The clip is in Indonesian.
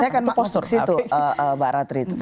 saya akan masuk ke situ mbak ratri